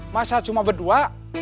masa cuma berdua